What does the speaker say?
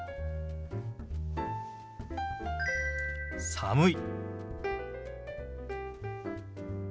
「寒い」。